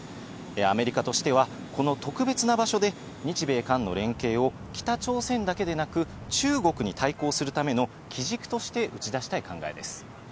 アメリカとしては、この特別な場所で日米韓の連携を北朝鮮だけでなく、中国に対抗するための基軸として打ち出したい考えです。